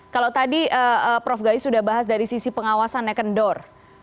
kalau tadi prof gai sudah bahas dari sisi pengawasan nekendor